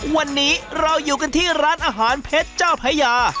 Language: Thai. วันนี้เราอยู่กันที่ร้านอาหารเพชรเจ้าพญา